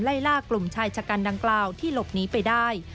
ไล่ล่ากลุ่มชายชะกันดังกล่าวที่หลบหนีไปได้